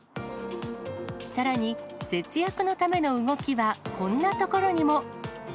さらに、節約のための動きはこんなところにも。